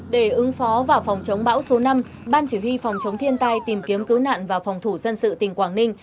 để ứng phó vào phòng chống bão số năm ban chỉ huy phòng chống thiên tai tìm kiếm cứu nạn và phòng thủ dân sự tỉnh quảng ninh